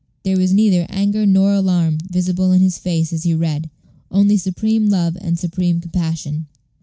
There was neither anger nor alarm visible in his face as he read only supreme love and supreme compassion.